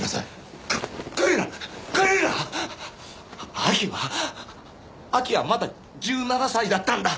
明希は明希はまだ１７歳だったんだ！